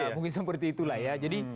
ya mungkin seperti itulah ya jadi